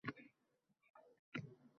Elektron hukumatning asosiy prinsiplari